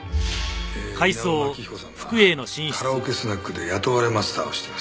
え稲尾真木彦さんはカラオケスナックで雇われマスターをしています。